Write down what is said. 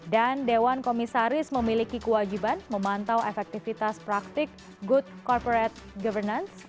dan dewan komisaris memiliki kewajiban memantau efektivitas praktik good corporate governance